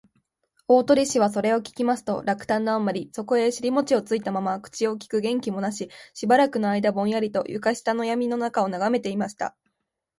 大鳥氏はそれを聞きますと、落胆のあまり、そこへしりもちをついたまま、口をきく元気もなく、しばらくのあいだぼんやりと、床下のやみのなかをながめていました